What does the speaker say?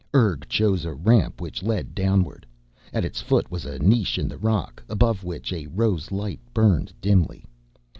Urg chose a ramp which led downward. At its foot was a niche in the rock, above which a rose light burned dimly.